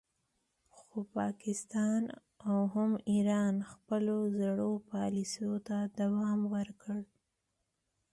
خو پاکستان او هم ایران خپلو زړو پالیسیو ته دوام ورکړ